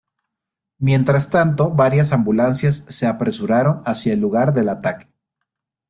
Mientras tanto, varias ambulancias se apresuraron hacia el lugar del ataque.